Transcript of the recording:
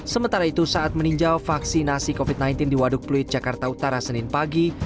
sementara itu saat meninjau vaksinasi covid sembilan belas di waduk pluit jakarta utara senin pagi